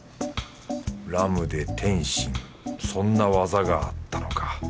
ラムで点心そんな技があったのか。